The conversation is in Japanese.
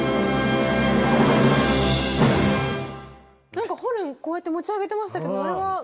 なんかホルンこうやって持ち上げてましたけどあれは？